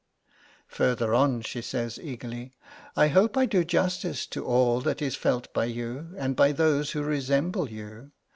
Further on she says, eagerly: 'I hope I do justice to all that is felt by you, and by those who resemble you.